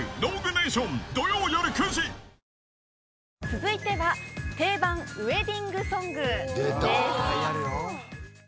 続いては定番ウエディングソングです。